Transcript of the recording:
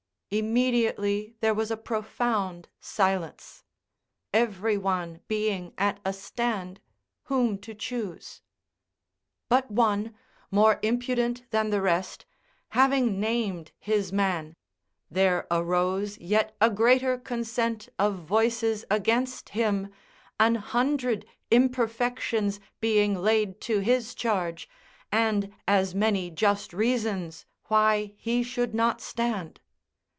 Immediately there was a profound silence, every one being at a stand whom to choose. But one, more impudent than the rest, having named his man, there arose yet a greater consent of voices against him, an hundred imperfections being laid to his charge, and as many just reasons why he should not stand.